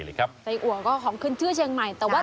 มีกลิ่นหอมกว่า